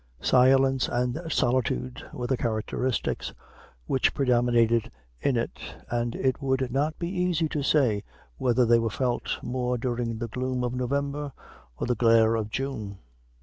Silence and solitude were the characteristics which predominated in it and it would not be easy to say whether they were felt more during the gloom of November or the glare of June.